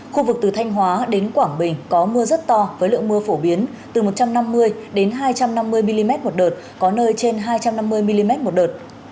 khu vực từ thanh hóa đến quảng bình có mưa rất to với lượng mưa phổ biến từ một trăm năm mươi đến hai trăm năm mươi mm một đợt có nơi trên hai trăm năm mươi mm một đợt